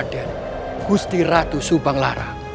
dengan keputaan itu costsih ratu subang lara